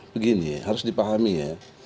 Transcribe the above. begini harus dipahami ya